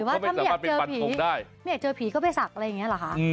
หรือว่าถ้าไม่อยากเจอผีก็ไปสักอะไรอย่างนี้เหรอคะ